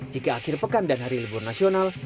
jika akhir pekan dan hari libur nasional